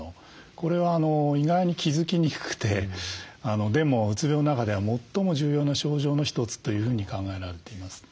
これは意外に気付きにくくてでもうつ病の中では最も重要な症状の一つというふうに考えられています。